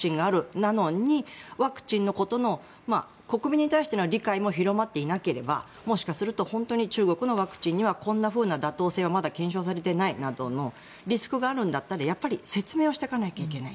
なのに、ワクチンのことの国民に対しての理解も広まっていなければもしかすると本当に中国のワクチンにはこんなふうな妥当性はまだ検討されていないなどのリスクがあるんだったら説明をしていかないといけない。